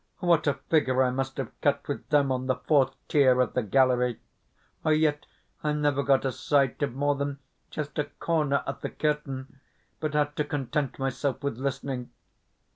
What a figure I must have cut with them on the fourth tier of the gallery! Yet, I never got a sight of more than just a corner of the curtain, but had to content myself with listening.